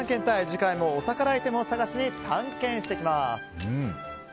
次回もお宝アイテムを探しに探検してきます！